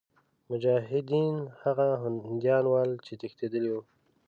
مجاهدین هغه هندیان ول چې تښتېدلي وه.